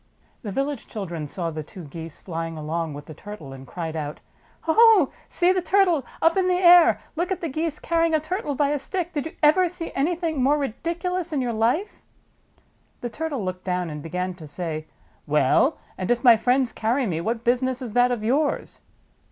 The village children saw the two Geese flying along 19 JATAKA TALES with the Turtle and cried out: "Oh, see the Turtle up in the air ! Look at the Geese carrying a Turtle by a stick! Did you ever see anything more ridicu lous in your life!" The Turtle looked down and began to say, Wen, and if my friends carry me, what business is that of yours?"